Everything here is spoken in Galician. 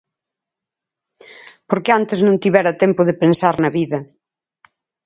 Porque antes non tivera tempo de pensar na vida.